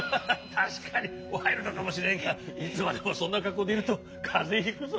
たしかにワイルドかもしれんがいつまでもそんなかっこうでいるとかぜひくぞ！